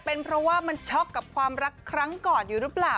เป็นเพราะว่ามันช็อกกับความรักครั้งก่อนอยู่หรือเปล่า